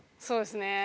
そうですね。